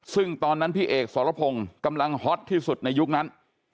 ซึ่งตอนนั้นพี่เอกสรพงศ์กำลังฮอตที่สุดในยุคนั้น